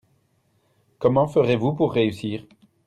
Comment ferez-vous pour réussir ?